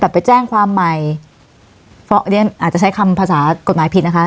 แบบไปแจ้งความใหม่อาจจะใช้คำภาษากฎหมายผิดนะคะ